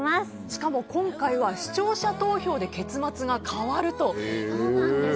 しかも今回は視聴者投票で結末が変わると。